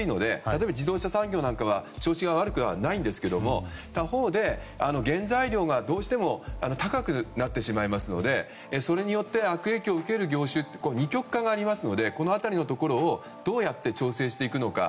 例えば自動車産業などは調子は悪くはないんですが他方で、原材料がどうしても高くなってしまいますのでそれによって悪影響を受ける業種二極化がありますのでこの辺りのところをどうやって調整していくのか。